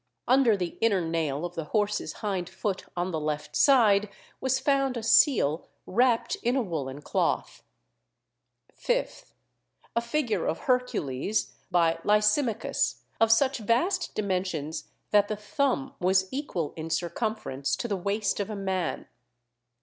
Under the inner nail of the horse's hind foot on the left side, was found a seal wrapped in a woollen cloth. 5th. A figure of Hercules, by Lysimachus, of such vast dimensions that the thumb was equal in circumference to the waist of a man.